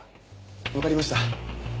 わかりました。